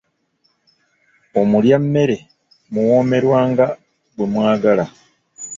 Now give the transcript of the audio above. Omulya mmere muwoomerwa nga bwe mwagala.